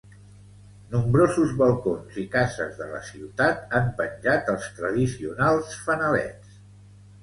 Nombrosos balcons i cases de la ciutat han penjat els tradicionals fanalets.